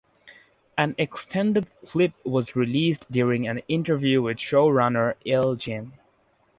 An extended clip was released during an interview with showrunner Al Jean.